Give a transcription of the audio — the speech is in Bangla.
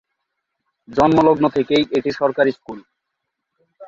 জন্মলগ্ন থেকেই এটি সরকারি স্কুল।